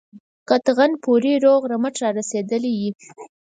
قطغن پوري روغ رمټ را رسېدلی یې.